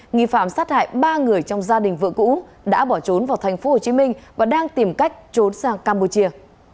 nghi phạm sát hại ba người trong gia đình vợ cũ đã bỏ trốn vào tp hcm và đang tìm cách trốn sang campuchia